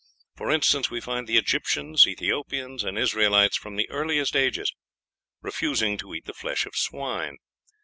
For instance, we find the Egyptians, Ethiopians, and Israelites, from the earliest ages, refusing to eat the flesh of swine.